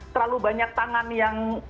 terlalu banyak tangan yang